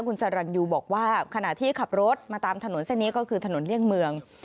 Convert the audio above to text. คุณสรรยูบอกว่าขณะที่ขับรถมาตามถนนเส้นนี้ก็คือถนนเลี่ยงเมือง